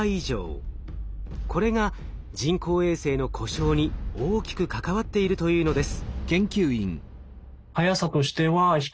これが人工衛星の故障に大きく関わっているというのです。